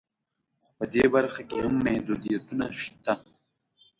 خو په دې برخه کې هم محدودیتونه شته